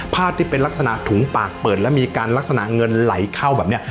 ภาพที่เป็นลักษณะถุงปากเปิดแล้วมีการลักษณะเงินไหลเข้าแบบนี้